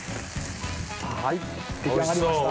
はい出来上がりました。